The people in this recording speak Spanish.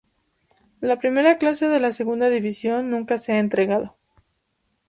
La primera clase de la segunda división nunca se ha entregado.